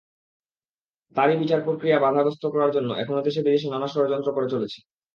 তারাই বিচার প্রক্রিয়া বাধাগ্রস্ত করার জন্য এখনো দেশে-বিদেশে নানা ষড়যন্ত্র করে চলেছে।